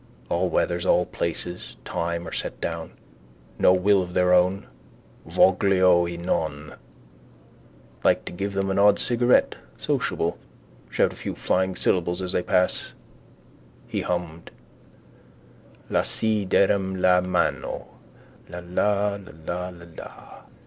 All weathers, all places, time or setdown, no will of their own. Voglio e non. Like to give them an odd cigarette. Sociable. Shout a few flying syllables as they pass. He hummed: Là ci darem la mano La la lala la la.